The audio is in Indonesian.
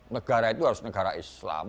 negara itu harus negara islam